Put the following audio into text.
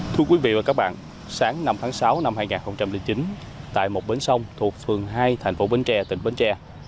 thưa quý vị và các bạn sáng năm tháng sáu năm hai nghìn chín tại một bến sông thuộc phường hai thành phố bến tre tỉnh bến tre